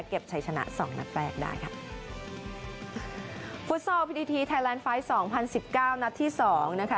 ใช้ชนะสองนัดแรกได้ค่ะฟุตซอลพิธีทีไทยแลนด์ไฟล์สองพันสิบเก้านัดที่สองนะคะ